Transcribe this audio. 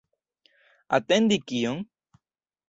Atendi kion?